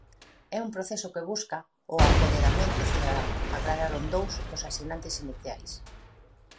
"É un proceso que busca o apoderamento cidadán", aclararon dous dos asinantes iniciais.